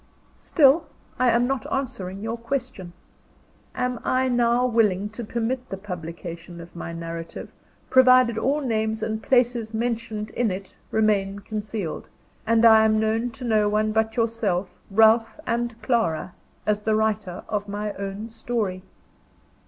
Still I am not answering your question: Am I now willing to permit the publication of my narrative, provided all names and places mentioned in it remained concealed, and I am known to no one but yourself, Ralph, and Clara, as the writer of my own story?